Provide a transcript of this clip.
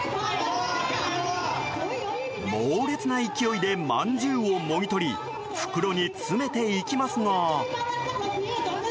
猛烈な勢いでまんじゅうをもぎ取り袋に詰めていきますが。